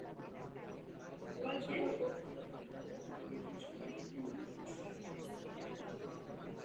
তাছাড়া ঘগ্গর-হাকরা নদীটি নিজেই সিন্ধুর একটি উপনদী ছিল।